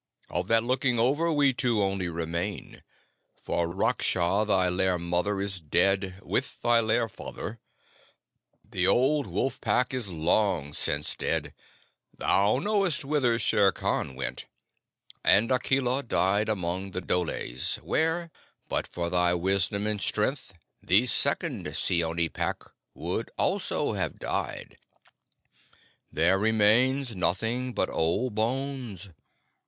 Of that Looking Over we two only remain; for Raksha, thy lair mother, is dead with thy lair father; the old Wolf Pack is long since dead; thou knowest whither Shere Khan went, and Akela died among the dholes, where, but for thy wisdom and strength, the second Seeonee Pack would also have died. There remains nothing but old bones.